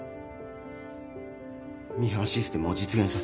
ミハンシステムを実現させる。